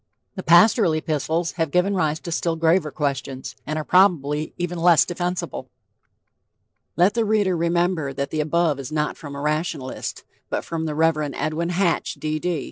The pastoral epistles...have given rise to still graver questions, and are probably even less defensible." Let the reader remember that the above is not from a rationalist, but from the Rev. Edwin Hatch, D. D.